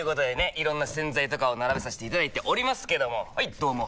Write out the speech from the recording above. いろんな洗剤とかを並べさせていただいておりますけどもはいどうも！